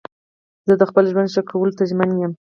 زه د خپل ژوند ښه کولو ته ژمن یم.